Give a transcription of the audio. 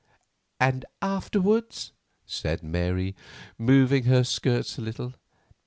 "And afterwards?" said Mary, moving her skirts a little.